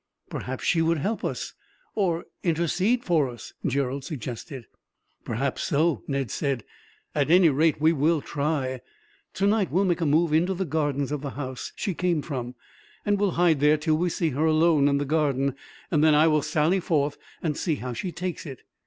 "Perhaps she would help us, or intercede for us," Gerald suggested. "Perhaps so," Ned said. "At any rate, we will try. Tonight we will make a move into the gardens of the house she came from, and will hide there till we see her alone in the garden. Then I will sally forth, and see how she takes it."